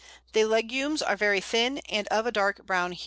The legumes are very thin, and of a dark brown hue.